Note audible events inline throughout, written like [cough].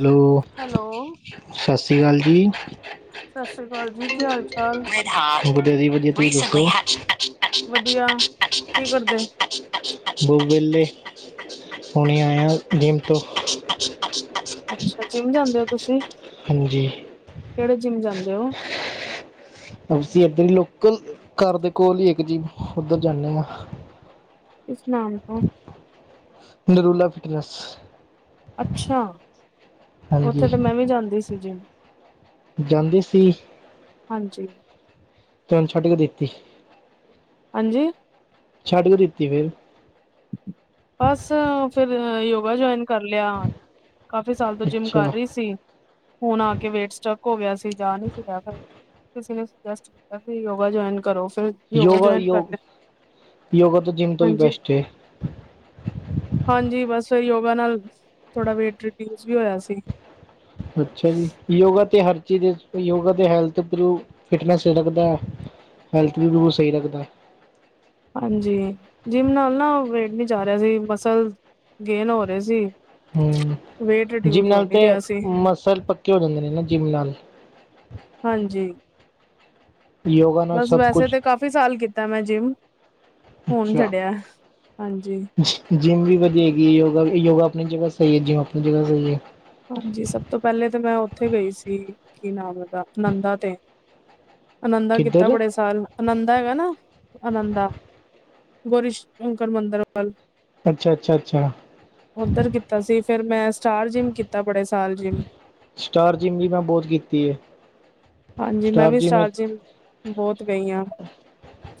Hello hello. ਸੱਸਰੀ ਕਾਲ ਜੀ। ਸਤਿ ਸ੍ਰੀ ਅਕਾਲ ਜੀ ਕੀ ਹਾਲ ਚਾਲ ਵਧੀਆ ਜੀ ਵਧੀਆ ਤੁਸੀਂ ਦੱਸੋ? ਵਧੀਆ, ਕੀ ਕਰਦੇ? [unintelligible] ਬ ਵੇਹਲੇ [unintelligible] ਹੁਣੇ ਆਇਆ ਜਿੰਮ ਤੋਂ ਅੱਛਾ-ਅੱਛਾ-ਅੱਛਾ-ਅੱਛਾ। ਅੱਛਾ ਜਿਮ ਜਾਂਦੇ ਹੋ ਤੁਸੀਂ ਹਾਂਜੀ। ਕਿਹੜੇ ਜਿੰਮ ਜਾਂਦੇ ਹੋ ਅਸੀਂ ਏਧਰ ਲੋਕਲ ਘਰ ਦੇ ਕੋਲ ਹੀ ਇੱਕ ਜਿਮ ਉੱਧਰ ਜਾਂਦੇ ਹਾਂ। ਇਸ ਨਾਮ ਤੋਂ ਨਰੂਲਾ ਫਿਟਨਸ ਅੱਛਾ, ਹਾਂਜੀ ਉੱਥੇ ਤੇ ਮੈਂ ਵੀ ਜਾਂਦੀ ਸੀ ਜਿਮ। ਜਾਂਦੀ ਸੀ। ਹਾਂਜੀ। ਤੈਨੂੰ ਛੱਡ ਕੇ ਦੇਤੀ। ਹਾਂਜੀ। ਛੱਡ ਕਿਉ ਦਿੱਤੀ ਫੇਰ ਬਸ ਫ਼ਿਰ ਯੋਗਾ ਜੁਆਇਨ ਕਰ ਲਿਆ ਕਾਫੀ ਸਾਲ ਤੋਂ ਜਿੰਮ ਕਰ ਅੱਛਾ ਰਹੀ ਸੀ। ਹੁਣ ਆ ਕੇ ਵੇਟ ਸਟੱਕ ਹੋ ਗਿਆ ਸੀ ਜਾ ਨੀ ਰਿਹਾ ਫਿਰ ਕਿਸੇ ਨੇ ਸੁਜੈਸਟ ਕੀਤਾ ਵੀ ਯੋਗਾ ਜੁਆਇਨ ਕਰੋ? ਫਿਰ ਯੋਗਾ, ਜੁਆਇਨ ਕਰ ਯੋਗ, ਲਿਆ ਯੋਗਾ ਤੋਂ ਜਿੰਮ ਤੋਂ ਹੀ ਹਾਂਜੀ ਬੈਸਟ ਏ। ਹਾਂਜੀ ਬਸ ਯੋਗਾ ਨਾਲ ਥੋੜਾ ਵੇਟ ਰਿਡਿਊਜ਼ ਵੀ ਹੋਇਆ ਸੀ। ਅੱਛਾਜੀ ਯੋਗਾ ਤੇ ਹਰ ਚੀਜ਼ ਯੋਗਾ ਤੇ ਹੈਲਥ ਪਰੀਉ ਫਿਟਨੇਸ ਜਿਹੜਾ ਬੰਦਾ ਹੈਲਥ ਵੀ ਬਿਲਕੁਲ ਸਹੀ ਰੱਖਦਾ। ਹਾਂਜੀ ਜਿੰਮ ਨਾਲ ਨਾ ਵੇਟ ਨਹੀਂ ਜਾ ਰਿਹਾ ਸੀ। ਮਸਲ ਗੇਨ ਹੋ ਰਹੇ ਸੀ। ਹਮ ਵੇਟ ਜਿੰਮ ਰਿਡਿਊਸ ਹੋ ਨਾਲ ਨੀ ਤੇ ਰਿਹਾ ਸੀ, ਮਸਲ ਪੱਕੇ ਹੋ ਜਾਂਦੇ ਨੇ ਨਾ ਜਿੰਮ ਨਾਲ। ਹਾਂਜੀ। ਯੋਗਾ ਨਾਲ ਬੱਸ ਸਭ ਵੈਸੇ ਕੁਛ ਤੇ ਕਾਫੀ ਸਾਲ ਕੀਤਾ ਮੈਂ ਜਿੰਮ ਹੁਣ ਅੱਛਾ ਛੱਡਿਆ ਹਾਂਜੀ ਜਿੰਮ ਵੀ ਵਧੀਆਗੀ ਯੋਗਾ-ਯੋਗਾ ਆਪਣੀ ਜਗ੍ਹਾ ਸਹੀ ਹੈ, ਜਿੰਮ ਆਪਣੀ ਜਗ੍ਹਾ ਸਹੀ ਹੈ। ਹਾਂਜੀ ਸਭ ਤੋਂ ਪਹਿਲੇ ਤਾਂ ਮੈਂ ਉੱਥੇ ਗਈ ਸੀ ਕੀ ਨਾਮ ਉਹਦਾ ਆਨੰਦਾ ਤੇ ਆਨੰਦਾ ਕੀਤਾ ਕਿੱਧਰ ਬੜੇ ਸਾਲ ਆਨੰਦਾ ਹੈਗਾ ਨਾ ਆਨੰਦਾ ਗੋਰੀ ਸ਼ੰਕਰ ਮੰਦਿਰ ਵੱਲ ਅੱਛਾ-ਅੱਛਾ, ਅੱਛਾ। ਉੱਧਰ ਕੀਤਾ ਸੀ ਫ਼ਿਰ ਮੈਂ ਸਟਾਰ ਜਿੰਮ ਕੀਤਾ ਬੜੇ ਸਾਲ ਜਿੰਮ ਸਟਾਰ ਜਿੰਮ ਵੀ ਮੈਂ ਬਹੁਤ ਕੀਤੀ ਏ। ਹਾਂਜੀ ਮੈਂ ਵੀ ਸਟਾਰ ਜਿੰਮ ਬਹੁਤ ਗਈ ਆ।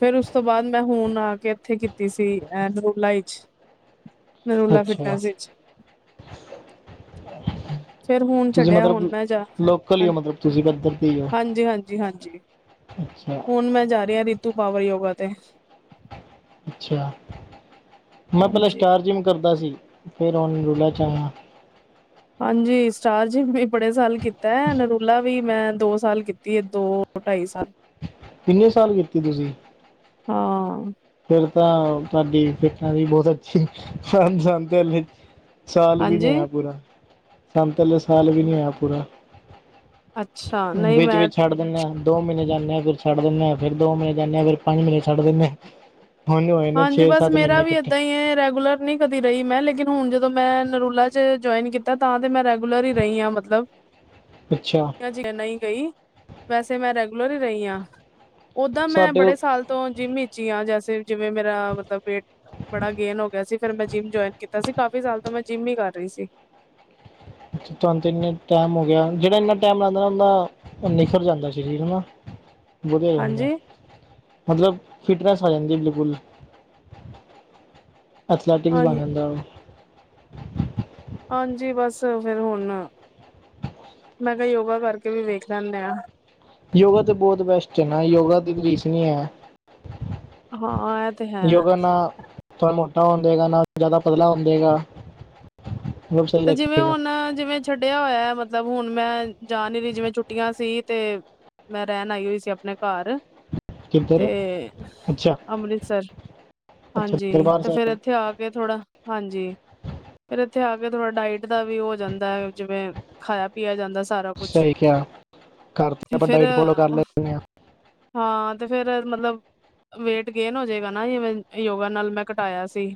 ਫ਼ਿਰ ਉਸ ਤੋਂ ਬਾਅਦ ਮੈਂ ਹੁਣ ਆ ਕੇ ਇੱਥੇ ਕੀਤੀ ਸੀ ਅ ਨੂਲਾਈ 'ਚ' ਅੱਛਿਆ ਫੇਰ ਹੁਣ ਛੱਡਿਆ ਹੁਣ ਮੈਂ ਜਾ ਕਲੀਓ ਮਤਲਬ ਤੁਸੀਂ ਪੱਧਰ ਤੇ ਹੀ ਹੋ ਹਾਂਜੀ-ਹਾਂਜੀ ਹਾਂਜੀ ਅੱਛਾ ਹੁਣ ਮੈਂ ਜਾ ਰਹੀ ਆ ਰੀਤੂ ਪਾਵਰ ਯੋਗਾ ਤੇ ਅੱਛਿਆ ਮੈਂ ਪਹਿਲਾਂ ਹਾਂਜੀ ਸਟਾਰ ਜਿੰਮ ਕਰਦਾ ਸੀ। ਫਿਰ ਉਹ ਨਰੂਲਾ 'ਚ' ਆਇਆ। ਹਾਂਜੀ ਸਟਾਰ ਜਿੰਮ ਵੀ ਬੜੇ ਸਾਲ ਕੀਤਾ ਏ ਨਰੂਲਾ ਵੀ ਮੈਂ ਦੋ ਸਾਲ ਕੀਤੀ ਹੈ ਦੋ ਢਾਈ ਸਾਲ [inaudible] ਕਿੰਨੇ ਸਾਲ ਕੀਤੀ ਤੁਸੀਂ? ਹਾਂ। ਫਿਰ ਤਾਂ ਤੁਹਾਡੀ ਫਿੱਟਨੈੱਸ ਵੀ ਬਹੁਤ ਅੱਛੀ ਆ। [unintelligible] ਹਰ ਜਾਂਦਿਆ ਲਈ। ਸਾਲ ਵੀ ਨੀ ਹਾਂਜੀ ਹੋਇਆ ਪੂਰਾ ਸਾਨੂੰ ਤੇ ਲੈ ਸਾਲ ਵੀ ਨੀ ਹੋਇਆ ਪੂਰਾ ਅੱਛਾ ਨਹੀਂ ਮੈਂ ਵਿੱਚ-ਵਿੱਚ ਛੱਡ ਦਿੰਦੇ ਹਾਂ। ਦੋ ਮਹੀਨੇ ਜਾਂਣੇ ਆ ਫਿਰ ਛੱਡ ਦਿੰਦੇ ਆ ਫਿਰ ਦੋ ਮਹੀਨੇ ਜਾਣੇ ਫਿਰ ਪੰਜ ਮਹੀਨੇ ਛੱਡ ਦੀਣੇ ਆ ਹੁਣ ਹੋਏ ਨੇ ਹਾਂਜੀ ਛੇ ਬੱਸ ਸੱਤ ਮੇਰਾ ਮਹੀਨੇ ਵੀ ਇਕੱਠੇ ਏਦਾਂ ਹੀ ਹੈ ਰੈਗੂਲਰ ਨਹੀਂ ਕਦੀ ਰਹੀ ਮੈਂ ਲੇਕਿਨ ਹੁਣ ਜਦੋਂ ਮੈਂ ਨਰੂਲਾ 'ਚ' ਜੁਆਇਨ ਕੀਤਾ ਤਾਂ ਤੇ ਮੈਂ ਰੈਗੂਲਰ ਹੀ ਰਹੀ ਆ ਮਤਲਬ [inaudible] ਅੱਛਾ। [unintelligible] ਨਹੀਂ ਗਈ ਵੈਸੇ ਮੈਂ ਰੈਗੂਲਰ ਹੀ ਰਹੀ ਆ ਉਦਾਂ ਮੈਂ ਸਾਡੇ ਬੜੇ ਕੋਲ ਸਾਲ ਤੋਂ ਜਿਮੀਜੀਆਂ ਜੈਸੇ ਜਿਵੇਂ ਮੇਰਾ ਮਤਲਬ ਵੇਟ, ਬੜਾ ਗੇਨ ਹੋ ਗਿਆ ਸੀ। ਫ਼ਿਰ ਮੈਂ ਜਿੰਮ ਜੁਆਇਨ ਕੀਤਾ ਸੀ। ਕਾਫੀ ਸਾਲ ਤੋਂ ਮੈਂ ਜਿੰਮ ਹੀ ਕਰ ਰਹੀ ਸੀ। ਤੁਹਾਨੂੰ ਇੰਨੇ ਟਾਈਮ ਹੋ ਗਿਆ। ਜਿਹੜਾ ਇੰਨਾ ਟਾਈਮ ਲੱਗਦਾ ਉਹਦਾ ਉਹ ਨਿਖਰ ਜਾਂਦਾ ਛੇਤੀ ਹਨਾ ਵਧੀਆ ਰਹਿੰਦਾ। ਹਾਂਜੀ ਮਤਲਬ ਫਿਟਨੈਸ ਆ ਜਾਂਦੀ ਬਿਲਕੁਲ। ਐਥਲੈਟਿਕ ਹਾਂ ਬਣਾ ਜਾਦਾ ਉਹ। ਹਾਂਜੀ ਬੱਸ ਫ਼ਿਰ ਹੁਣ, ਮੈਂ ਕਿਹਾ ਯੋਗਾ ਕਰਕੇ ਵੀ ਵੇਖ ਲੈਂਣੇ ਆ। ਯੋਗਾ ਤੇ ਬਹੁਤ ਬੈਸਟ ਐ ਨਾ ਯੋਗਾ ਦੀ ਰੀਸ ਨਹੀਂ ਐ। ਹਾਂ ਇਹ ਤੇ ਹੈ ਯੋਗਾ ਨਾ ਥੋੜਾ ਮੋਟਾ ਹੋਣ ਦੇਗਾ ਨਾ ਜ਼ਿਆਦਾ ਪਤਲਾ ਹੋਣ ਦੇਗਾ। ਸਭ ਸਹੀ ਤੇ ਜਿਵੇਂ ਰੱਖੇਗਾ ਹੁਣ, ਜਿਵੇਂ ਛੱਡਿਆ ਹੋਇਆ ਮਤਲਬ ਹੁਣ ਮੈਂ ਜਾ ਨੀ ਰਹੀ ਜਿਵੇਂ ਛੁੱਟੀਆਂ ਸੀ ਤੇ ਮੈਂ ਰਹਿਣ ਆਈ ਹੋਈ ਸੀ ਆਪਣੇ ਘਰ। ਕਿੱਧਰ ਤੇ, ਅੱਛਾ ਅੰਮ੍ਰਿਤਸਰ ਅੱਛਾ ਹਾਂਜੀ ਦਰਬਾਰ ਤੇ ਫਿਰ ਸਾਹਿਬ ਇੱਥੇ ਆ ਕੇ ਥੋੜਾ, ਹਾਂਜੀ, ਫਿਰ ਇੱਥੇ ਆ ਕੇ ਥੋੜਾ ਡਾਇਟ ਦਾ ਵੀ ਹੋ ਜਾਂਦਾ ਜਿਵੇਂ ਖਾਇਆ ਪੀਆ ਜਾਂਦਾ। ਸਾਰਾ ਕੁਛ ਸਹੀ ਕਿਹਾ ਕਰਤੇ [inaudible] ਆਪਾਂ ਫਿਰ ਡਾਈਟ ਫੋਲੋ ਕਰ [unintelligible] ਲੈਂਦੇ ਆ ਹਾਂ ਤੇ ਫਿਰ ਮਤਲਬ ਵੇਟ ਗੇਨ ਹੋ ਜਾਏਗਾ [unintelligible] ਨਾ ਯੋਗਾ ਨਾਲ ਮੈਂ ਘਟਾਇਆ ਸੀ।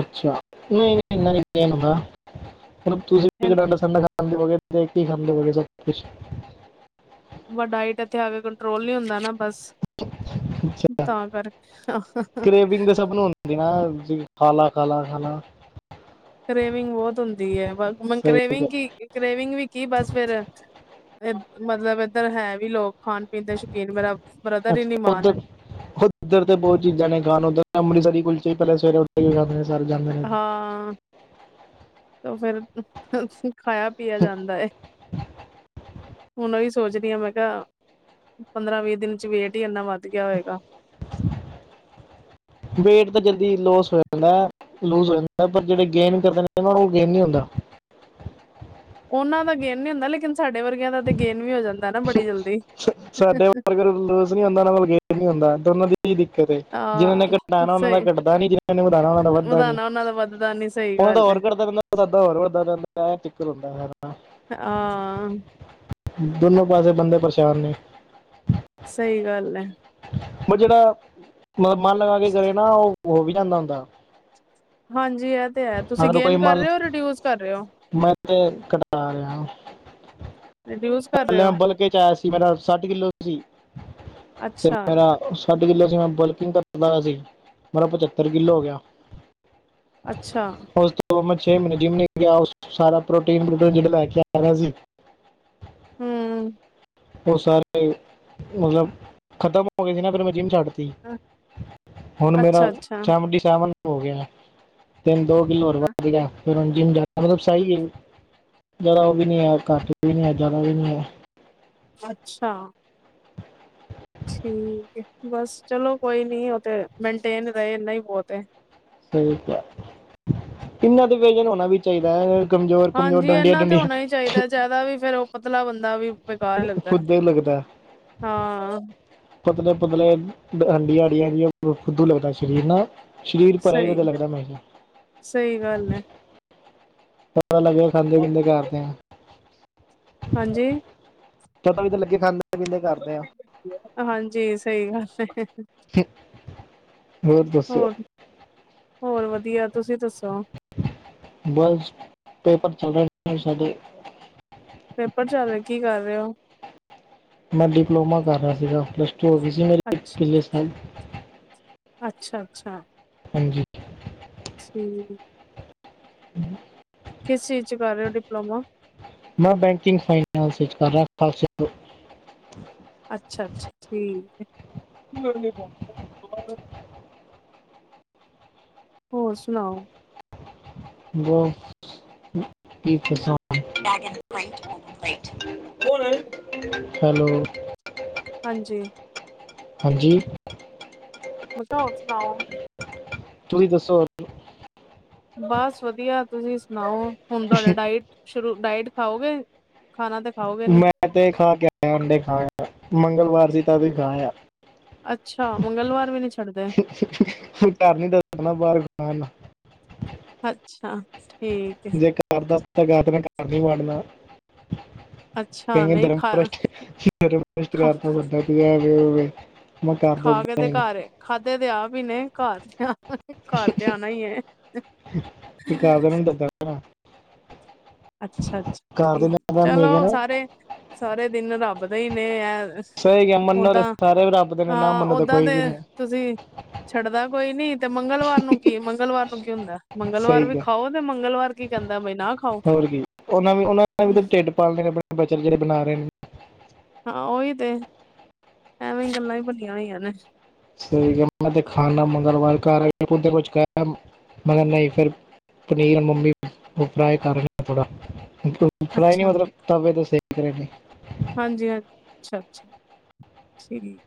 ਅੱਛਾ ਨਹੀਂ ਇਨ੍ਹਾਂ ਗੇਨ ਨਹੀਂ ਹੁੰਦਾ, [inaudible] ਮੈਡਮ ਤੁਸੀਂ ਵੀ ਤਾਂ ਅੰਡਾ ਸਾਂਡਾ ਖਾ [unintelligible] ਵ ਡਾਇਟ ਇੱਥੇ ਆ ਕੇ ਕੰਟਰੋਲ ਨੀ ਹੁੰਦਾ ਨਾ ਬੱਸ। ਅੱਛਾ [inaudible] ਤਾਂ ਕਰਕੇ [unintelligible] [unintelligible] ਖਾਲਾ-ਖਾਲਾ ਖਾਲਾ। ਕਰੇਵਿੰਗ ਬਹੁਤ ਐ ਬੱਸ ਸਹੀ ਹੈ ਕਰੇਵਿੰਗ ਕੀ ਕਰੇਵਿੰਗ ਵੀ ਕੀ ਬੱਸ ਫ਼ਿਰ ਮਤਲਬ ਇੱਧਰ ਹੈ ਵੀ ਲੋਕ ਖਾਣ-ਪੀਣ ਦੇ ਸ਼ੌਕੀਨ ਬੜਾ ਅੱਛਾ, ਉੱਧਰ-ਉੱਧਰ ਤੇ ਬਹੁਤ ਚੀਜ਼ਾਂ ਨੇ ਖਾਣ ਉੱਧਰ ਅੰਮ੍ਰਿਤਰੀ ਕੁਲਚੇ [unintelligible] [unintelligible] ਹਾਂ ਤੇ ਫਿਰ ਕੁਝ ਖਾਇਆ ਪਿਆ ਜਾਂਦਾ ਐ [inaudible] ਹੁਣ ਉਹੀ ਸੋਚ ਦੀ ਆ ਮੈਂ ਕਿਹਾ, ਪੰਦਰਾਂ ਵੀਹ ਦਿਨ 'ਚ' ਵੇਟ ਹੀ ਇੰਨਾ ਵੱਧ ਗਿਆ ਹੋਏਗਾ। ਵੇਟ ਤਾਂ ਜਲਦੀ ਲੋਸ ਹੋ ਜਾਂਦਾ, ਲੋਜ ਹੋ ਜਾਂਦਾ ਪਰ ਜਿਹੜੇ ਗੇਨ ਉਹਨਾਂ ਨੂੰ ਗੇਨ ਨਹੀਂ ਹੁੰਦਾ। ਉਹਨਾਂ ਦਾ ਗੇਨ ਨੀ ਹੁੰਦਾ ਲੇਕਿਨ ਸਾਡੇ ਵਰਗਿਆਂ ਦਾ ਤੇ ਗੇਨ ਵੀ ਹੋ ਜਾਂਦਾ। ਨਾ ਬੜੀ ਜਲਦੀ। ਸਾਡੇ ਵਰਗਿਆਂ ਦਾ ਲੋਜ ਨਹੀਂ ਹੁੰਦਾ, ਓਹਨਾਂ ਦਾ ਗੇਨ ਨਹੀਂ ਹੁੰਦਾ। ਇਹ ਦਿੱਕਤ ਐ, ਜਿਨ੍ਹਾਂ ਨੇ ਹਾਂ ਘਟਾਉਣਾ ਓਹਨਾਂ ਦਾ ਸਹੀ ਘੱਟਦਾ ਨਹੀਂ ਜਿਨ੍ਹਾਂ ਨੇ ਵਧਾਉਣਾ ਓਹਨਾਂ ਦਾ ਵੱਧਦਾ ਨਹੀਂ। ਵਧਾਣਾ ਉਹਨਾਂ ਦਾ ਵੱਧਦਾ ਨੀ ਸਹੀ ਉਹਨਾਂ ਦਾ ਗੱਲ ਹੈ ਹੋਰ ਘੱਟਦਾ ਰਹਿੰਦਾ ਹੈ ਸਾਡਾ ਹੋਰ ਵੱਧਦਾ ਰਹਿੰਦਾ। ਆਂ। ਦੋਨੋ ਪਾਸੇ ਬੰਦੇ ਪਰੇਸ਼ਾਨ ਨੇ। ਸਹੀ ਗੱਲ ਐ। ਓਹ ਜਿਹੜਾ, ਮਨ ਲਗਾ ਕੇ ਕਰੇ ਨਾ ਉਹ ਹੋ ਵੀ ਜਾਂਦਾ ਹੁੰਦਾ। ਹਾਂਜੀ ਇਹ ਤੇ ਹੈ ਤੁਸੀਂ ਅਗਰ ਕੋਈ ਗੇਨ ਕਰ ਮਨ ਰਹੇ ਰਿਡਿਊਸ ਕਰ ਰਹੇ ਹੋ। ਮੈਂ ਤੇ ਘੱਟਾ ਰਿਹਾ। ਰਿਡਿਊਸ ਕਰ ਰਹੇ ਓ। ਫਿਰ ਚਾਰ, ਪਹਿਲਾਂ ਸੱਠ ਕਿਲੋ ਸੀ ਤੇ ਅੱਛਾ [unintelligible] ਸੱਠ ਕਿੱਲੋ ਸੀ ਮੈਂ ਬਲਕਿੰਗ ਕਰਦਾ ਸੀ ਮੇਰਾ ਪਚੱਤਰ ਕਿੱਲੋ ਹੋ ਗਿਆ। ਅੱਛਾ। [unintelligible] ਮੈਂ ਛੇ ਮਹੀਨੇ ਜਿੰਮ ਨੀ ਗਿਆ, [unintelligible] ਸਾਰਾ ਪ੍ਰੋਟੀਨ ਜਿਹੜਾ ਮੈਂ ਲੈਕੇ ਆਇਆ ਸੀ ਹਮ। ਉਹ ਸਾਰੇ, ਮਤਲਬ ਖ਼ਤਮ ਹੋ ਗਏ ਸੀ ਨਾ ਫਿਰ ਮ ਜਿੰਨ ਛੱਡ ਹੁਣ ਮੇਰਾ ਅੱਛਾ ਅੱਛਾ ਸੇਵਨਟੀ ਸੇਵਨ ਹੋ ਗਿਆ ਤਿੰਨ, ਦੋ ਕਿਲੋ ਹੋਰ ਵਧੱ ਗਿਆ। [unintelligible] ਸਹੀ ਐ ਜ਼ਿਆਦਾ ਉਹ ਵੀ ਐ ਘੱਟ ਵੀ ਨਹੀਂ ਐ ਜ਼ਿਆਦਾ ਵੀ ਨਹੀਂ ਐ। ਅੱਛਾ। ਠੀਕ ਐਭਮਭਮ੍ਗ਼ ਬੱਸ ਚਲੋ ਕੋਈ ਨੀ ਉਹ ਤੇ ਮੇਨਟੇਨ ਰਹੇ ਇਨ੍ਹਾਂ ਹੀ ਬਹੁਤ ਹੈ। ਠੀਕ ਐ, ਇਹਨਾਂ ਦੇ ਵਿਜਨ ਹੋਣਾ ਵੀ ਚਾਹੀਦਾ। ਕਮਜ਼ੋਰ-ਕਮਜ਼ੋਰ, ਡੰਡੀਆਂ-ਡੁੰਡੀਆਂ। ਦ ਚਾਹੀਦਾ ਵੀ ਫੇਰ ਉਹ ਪਤਲਾ ਬੰਦਾ ਵੀ ਬੇਕਾਰ ਲੱਗਦਾ, ਫੁੱਦੇ ਲੱਗਦਾ ਹਾਂ। ਪਤਲੇ-ਪਤਲੇ ਹੱਡੀਆਂ-ਹੱਡੀਆਂ ਆੜੀਆਂ ਖੁਦੂ ਲੱਗਦਾ ਸਰੀਰ ਨਾ ਸਰੀਰ ਭਰਾ ਹੀ ਸਹੀ ਵਧੀਆ ਲੱਗਦਾ ਮੈਂ ਕਿਹਾ ਸਹੀ ਗੱਲ ਏ। ਪਤਾ ਲੱਗਿਆ ਖਾਂਦੇ-ਪੀਂਦੇ ਘਰ ਦੇ ਆ ਹਾਂਜੀ ਪਤਾ ਵੀ ਤਾਂ ਲੱਗੇ ਖਾਂਦੇ-ਪੀਂਦੇ ਘਰ ਦੇ ਆ ਹਾਂਜੀ, ਸਹੀ ਗੱਲ ਏ। [unintelligible] ਦੱਸੋ ਹੋਰ-ਹੋਰ ਵਧੀਆ ਤੁਸੀਂ ਦੱਸੋ। ਬਜ਼ ਪੇਪਰ ਚੱਲ ਰਹੇ ਸਾਡੇ ਪੇਪਰ ਚੱਲ ਰਹੇ ਕੀ ਕਰ ਰਹੇ ਓ? ਮੈਂ ਡਿਪਲੋਮਾ ਕਰ ਰਿਹਾ ਸੀਗਾ ਪਲੱਸ ਟੂ ਹੋ ਗਈ ਸੀ। ਮੇਰੇ ਪਿਛਲੇ ਸਾਲ ਅੱਛਾ-ਅੱਛਾ ਹਾਂਜੀ। ਠੀ [unintelligible] ਕਿਸ ਚੀਜ਼ 'ਚ' ਕਰ ਰਹੇ ਓ ਡਿਪਲੋਮਾ ਮੈਂ ਬੈਂਕਿੰਗ ਫਾਈਨਸ ਵਿੱਚ ਕਰ ਰਿਹਾ ਖਾਲਸ ਅੱਛਾ-ਅੱਛਾ, ਠੀਕ ਐ। ਹੋਰ ਸੁਣਾਉ। [unintelligible] [unintelligible] ਹੈਲੋ। ਹਾਂਜੀ। ਹਾਂਜੀ ਮੱਕਾ ਹੋਰ ਸੁਣਾਉ। ਤੁਸੀ ਦੱਸੋ ਹੋਰ। ਬੱਸ ਵਧੀਆ, ਤੁਸੀਂ ਸੁਣਾਉ, ਹੁਣ ਤੁਹਾਡਾ ਡਾਇਟ ਸ਼ੁਰੂ, ਡਾਇਟ ਖਾਓਗੇ ਖਾਣਾ ਤਾਂ ਖਾਓਗੇ ਨੀ ਮੈ ਤੇ ਖਾ ਕੇ ਆਇਆ ਅੰਡੇ ਖਾ ਮੰਗਲਵਾਰ ਸੀ ਤਾਂ ਵੀ ਖਾਇਆ। ਅੱਛਾ ਮੰਗਲਵਾਰ ਵੀ ਨੀ ਛੱਡਦੇ ਹੁਣ ਘਰ ਨੀ ਦੱਸਣਾ ਬਾਹਰ ਖ ਅੱਛਾ, ਠੀਕ ਏ। [unintelligible] ਵੰਡਨਾ ਅੱਛਾ [unintelligible] ਨਹੀਂ ਖਾ ਕਰ ਖਾ ਦਫਾ ਹੋਵੇ। ਮੈਂ ਕਰ ਖਾ ਕੇ ਦਿੰਦਾ ਤੇ ਹੀ ਨਹੀਂ ਘਰ ਖਾਧੇ ਤੇ ਆ ਵੀ ਨੇ ਘਰ 'ਚ ਘਰ ਤੇ ਆਉਣਾ ਹੀ ਹੈ। ਹ ਅੱਛਾ-ਅੱਛਾ ਠੀਕ ਚਲੋ ਨਾ ਸਾਰੇ, ਸਾਰੇ ਦਿਨ ਰੱਬ ਦੇ ਹੀ ਨੇ ਇਹ ਸਹੀ ਗਿਆ ਮੰਨੋ ਤੇ ਓਦਾਂ, ਸਾਰੇ ਰੱਬ ਦੇ ਨੇ ਨਾ ਹਾਂ ਮੰਨੋ ਤਾਂ ਓਦਾਂ ਕੋਈ ਦੇ ਵੀ ਨਹੀਂ ਤੁਸੀਂ ਛੱਡਦਾ ਕੋਈ ਨੀ ਤੇ ਮੰਗਲਵਾਰ ਨੂੰ ਕੀ ਮੰਗਲਵਾਰ ਨੂੰ ਕੀ ਹੁੰਦਾ ਮੰਗਲਵਾਰ ਸਹੀ ਵੀ ਗਿਆ ਖਾਓ ਤੇ ਮੰਗਲਵਾਰ ਕੀ ਕਹਿੰਦਾ ਵੀ ਨਾ ਖਾਓ। ਹੋਰ ਕੀ ਉਹਨਾਂ ਵੀ, ਉਹਨਾਂ ਨੇ ਵੀ ਢਿੱਡ ਪਾਲ ਲਣੇ ਨੇ ਆਪਣੇ ਬਨ ਜਿਹੜੇ ਬਣਾ ਰਹੇ ਨੇ। ਹਾਂ ਉਹੀ ਤੇ ਐਵੇਂ ਗੱਲਾਂ ਹੀ ਭਣੀਆਂ ਹੋਈਆਂ ਨੇ। ਸਹੀ ਗੱਲ ਆ ਤੇ ਖਾਣ ਨਾ ਮੰਗਲਵਾਰ ਘਰ ਆ ਕੁਛ ਨਹੀਂ ਫਿਰ ਪਨੀਰ ਮੰਮੀ ਫਰਾਈ ਕਰ ਰਹੇ ਆ ਥੋੜਾ ਫਰਾਈ ਨੀ ਅੱਛਾ ਮਤਲਬ ਤਬੇ ਤੇ ਸੇਕ ਰਹੇ ਨੇ। ਹਾਂਜੀ-ਹਾਂਜੀ, ਅੱਛਾ-ਅੱਛਾ ਠੀਕ।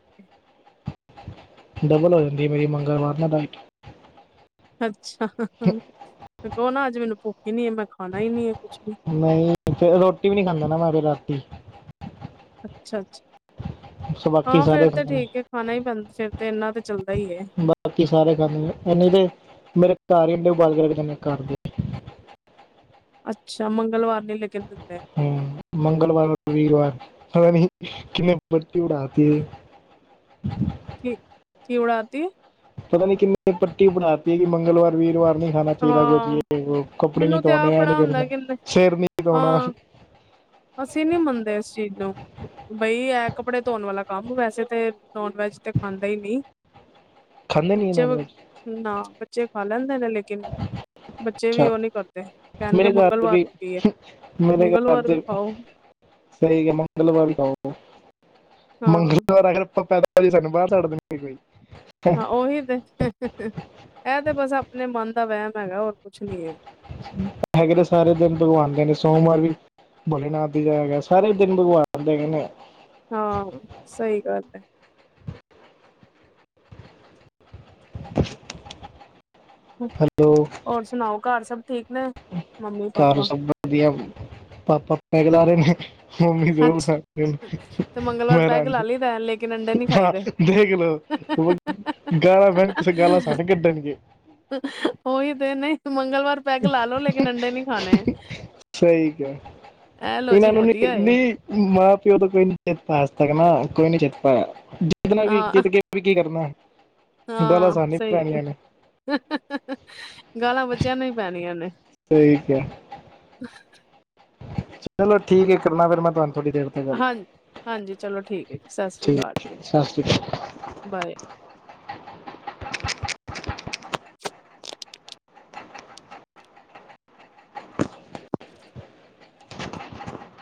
ਡਬਲ ਹੋ ਜਾਂਦੀ ਮੇਰੀ ਮੰਗਲਵਾਰ ਨਾ ਡਾਈਟ। ਅੱਛਾ ਤੇ ਕਹੋ ਨਾ ਅੱਜ ਮੈਨੂੰ ਭੁੱਖ ਹੀ ਨੀ ਹੈ ਮੈਂ ਖਾਣਾ ਹੀ ਨੀ ਆ ਕੁੱਛ ਵੀ। ਨਹੀਂ, ਫਿਰ ਰੋਟੀ ਵੀ ਨਹੀ ਖਾਂਦਾ ਨਾ ਮੈਂ ਫਿਰ ਰਾਤੀ। ਅੱਛਾ-ਅੱਛਾ। ਸ ਬਾਕੀ ਹਾਂ ਸਾਰੇ ਫੇਰ ਤੇ ਖਾਂਦੇ ਨੇ ਠੀਕ ਹੈ ਖਾਣਾ ਹੀ ਬਣਦਾ ਫਿਰ ਤੇ ਇਨਾ ਤੇ ਚੱਲਦਾ ਹੀ ਏ। ਬਾਕੀ ਸਾਰੇ ਖਾਂਦੇ ਇੰਨੀ ਤੇ ਮੇਰੇ ਘਰ ਹੀ ਅੰਡੇ ਉਬਦ ਕਰਕੇ ਦਿੰਦੇ ਘਰ ਦੇ ਅੱਛਾ ਮੰਗਲਵਾਰ ਨ ਲੇਗਣ ਦਿੰਦੇ। ਹਮ ਮੰਗਲਵਾਰ, ਵੀਰਵਾਰ ਪਤਾ ਨੀ ਕਿੰਨੇ ਬੱਤੀ ਉਡਾਤੀ ਹੈ। [inaudible] ਠੀਕ, ਕੀ ਉਡਾਤੀ? ਪਤਾ ਨੀ ਕਿੰਨੇ ਪੱਟੀ ਬਣਾਤੀ ਵੀ ਮੰਗਲਵਾਰ, ਵੀਰਵਾਰ ਨਹੀਂ ਖਾਣਾ ਚਾਹੀਦਾ ਹਾਂ ਕੁ ਕੱਪੜੇ ਨੀ ਮੈਨੂੰ ਤੇ ਆਪ ਧੋਣੇ, ਐ ਨ ਬੜਾ ਹੁੰਦਾ ਕਰਨਾ, ਕਿ ਨ- ਸਿਰ ਨਹੀ ਧੋਣਾ ਹਾਂ ਅਸੀਂ ਨੀ ਮੰਨਦੇ ਇਸ ਚੀਜ਼ ਨੂੰ ਬਈ ਹੈ ਕੱਪੜੇ ਧੋਣ ਵਾਲਾ ਕੰਮ ਵੈਸੇ ਤੇ ਨੋਨ ਵੈਜ ਤੇ ਖਾਂਦਾ ਹੀ ਨੀ। ਖਾਂਦੇ ਨਹੀਂ ਬੱਚੇ ਨਾਨ ਵੈਜ ਨਾ, ਬੱਚੇ ਖਾ ਲੈਂਦੇ ਨੇ ਲੇਕਿਨ ਬੱਚੇ ਵੀ ਅੱਛਾ ਉਹ ਨੀ ਕਰਦੇ, ਕਹਿਣਗੇ ਮੇਰੇ ਘਰ ਮੰਗਲਵਾਰ ਵੀ ਨੂੰ ਕੀ ਹੈ, ਮੇਰੇ ਘਰ ਮੰਗਲਵਾਰ ਵੀ ਤੇ ਖਾਓ। ਸਹੀ ਕੰਮ ਆ, ਮੰਗਲਵਾਰ ਖਾਓ, ਹਾਂ ਅਗਰ ਆਪਾਂ ਪੈ [unintelligible] ਹਾਂ ਉਹੀ ਤੇ, ਇਹ ਤੇ ਬਸ ਆਪਣੇ ਮਨ ਦਾ ਵਹਿਮ ਹੈਗਾ ਹੋਰ ਕੁੱਛ ਨੀ ਹੈਗਾ। ਹੈਗੇ ਨੇ ਸਾਰੇ ਦਿਨ ਭਗਵਾਨ ਦੇ ਨੇ ਸੋਮਵਾਰ ਵੀ ਭੋਲੇਨਾਥ ਦੀ ਜਾ ਸਾਰੇ ਦਿਨ ਭਗਵਾਨ ਦੇ ਨੇ। ਹਾਂ, ਸਹੀ ਗੱਲ ਏ। [inaudible] ਹੈਲੋ ਹੋਰ ਸੁਣਾਓ? ਘਰ ਸਭ ਠੀਕ ਨੇ। ਮੰਮੀ ਘਰ ਪਾਪਾ ਸਭ ਵਧੀਆ, ਪਾਪਾ ਪੈੱਗ ਲਾ ਰਹੇ ਨੇ। ਅੱਛ [unintelligible] ਦੇ ਤੇ ਮੰਗਲਵਾਰ ਮੈਂਰ ਹਾਂ ਪੈਗ ਲਾ ਲਈ ਦਾ ਲੇਕਿਨ ਅੰਡੇ ਨੀ ਖਾਈ ਦੇ ਦੇਖ। ਗਾਲਾਂ [unintelligible] ਕਿਸੇ ਗਾਲਾ ਸਾਨ ਕੱਢਣਗੇ [unintelligible] ਮੰਗਲਵਾਰ ਪੈਗ ਲਾ ਲੋ ਲੇਕਿਨ ਅੰਡੇ ਨੀ ਖਾਣੇ ਸਹੀ ਕਿਹਾ ਐ ਲੋ ਜੀ ਵਧੀਆ ਏ ਮਾਂ-ਪਿਓ ਦਾ ਕੋਈ ਨੀ ਚੇਤਾ ਹੱਜ ਤੱਕ ਨਾ ਕੋਈ ਨੀ ਚੇਤ ਪ ਜਿਦ ਵੀ ਹਾਂ ਜਿੱਤ ਕੇ ਵੀ ਕੀ ਕਰਨਾ ਹਾਂ [unintelligible] ਸਹੀ ਪੈਣੀਆਂ ਨੇ [unintelligible] ਗਾਲਾਂ ਬੱਚਿਆਂ ਨੂੰ ਹੀ ਪੈਣੀਆਂ ਨੇ ਸਹੀ ਕਿਹਾ [inaudible] ਚਲੋ ਠੀਕ ਐ ਕਰਨਾ ਫਿਰ ਮੈਂ ਤੁਹਾਨੂੰ ਥੋੜ੍ਹੀ ਦੇਰ ਤੱਕ ਗੱਲ ਹਾਂਜੀ-ਹਾਂਜੀ ਚਲੋ ਠੀਕ ਹੈ ਜੀ। ਸਤਿ ਸ਼੍ਰੀ ਅਕਾਲ ਠੀਕ ਸਾਸ਼੍ਰੀ ਓਕੇ ਕਾਲ। ਬਾਏ।